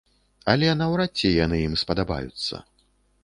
Але наўрад ці яны ім спадабаюцца.